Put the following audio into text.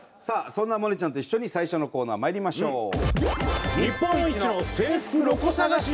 さあそんな萌音ちゃんと一緒に最初のコーナーまいりましょう。